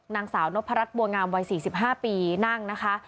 นางสาวนพรัชบัวงามวัย๔๕ปีนั่งนะคะ